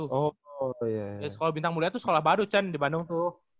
ya sekolah bintang mulia tuh sekolah baru cen di bandung tuh